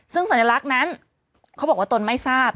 ซึ่งสัญลักษณ์นั้นเขาบอกว่าตนไม่ทราบ